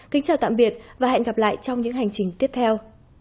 kính chào tạm biệt và hẹn gặp lại trong những hành trình tiếp theo